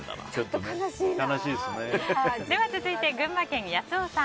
続いて、群馬県の方。